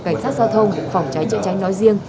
cảnh sát giao thông phòng cháy chữa cháy nói riêng